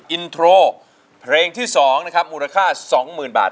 อินโทรเพลงที่๒นะครับมูลค่า๒๐๐๐บาท